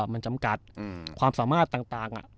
มันจำกัดความสามารถต่าง